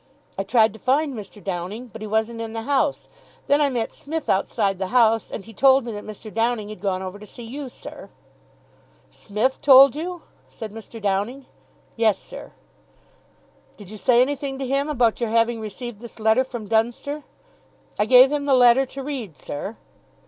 I tried to find Mr. Downing, but he wasn't in the house. Then I met Smith outside the house, and he told me that Mr. Downing had gone over to see you, sir." "Smith told you?" said Mr. Downing. "Yes, sir." "Did you say anything to him about your having received this letter from Dunster?" "I gave him the letter to read, sir."